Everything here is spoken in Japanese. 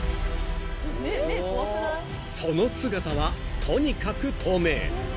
［その姿はとにかく透明］